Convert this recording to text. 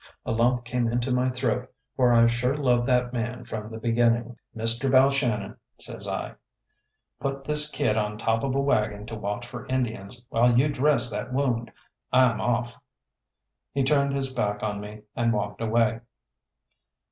A lump came into my throat, for I sure loved that man from the beginning. "Mr. Balshannon," says I, "put this kid on top of a waggon to watch for Indians, while you dress that wound. I'm off." He turned his back on me and walked away.